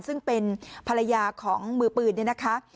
ซึ่งเป็นภรรยาของมือปืนเนี่ยนะคะ